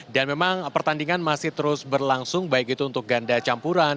dan memang pertandingan masih terus berlangsung baik itu untuk ganda campuran